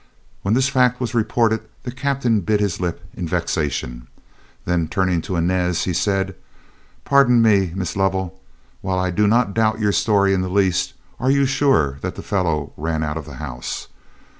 When this fact was reported, the captain bit his lip in vexation. Then turning to Inez, he said: "Pardon me, Miss Lovell, while I do not doubt your story in the least, are you sure the fellow ran out of the house?